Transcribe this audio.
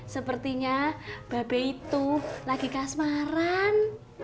sepertinya babe itu lagi kasmaran